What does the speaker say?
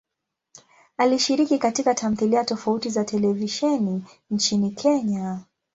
Alishiriki katika tamthilia tofauti za televisheni nchini Kenya.